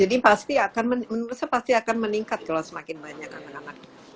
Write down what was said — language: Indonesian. jadi pasti akan menurut pasti akan meningkat kalau semakin banyak anak anak